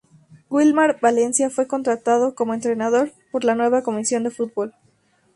Wilmar Valencia fue contratado como entrenador por la nueva Comisión de Fútbol.